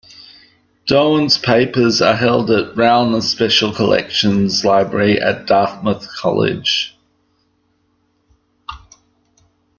Doan's papers are held at Rauner Special Collections Library at Dartmouth College.